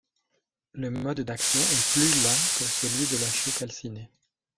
Le mode d'action est plus lent que celui de la chaux calcinée.